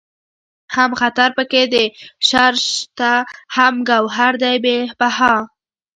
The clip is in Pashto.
هم خطر پکې د شر شته هم گوهر دئ بې بها